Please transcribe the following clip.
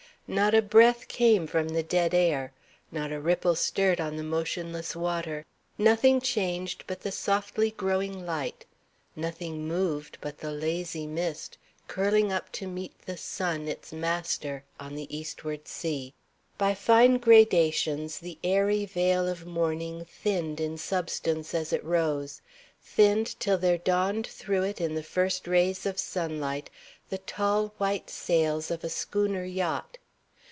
Not a breath came from the dead air. Not a ripple stirred on the motionless water. Nothing changed but the softly growing light; nothing moved but the lazy mist, curling up to meet the sun, its master, on the eastward sea. By fine gradations, the airy veil of morning thinned in substance as it rose thinned, till there dawned through it in the first rays of sunlight the tall white sails of a Schooner Yacht.